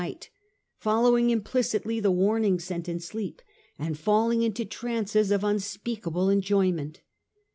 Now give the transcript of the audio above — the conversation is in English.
i6i night, following implicitly the warnings sent in sleep, and falling into trances of unspeakable enjoyment.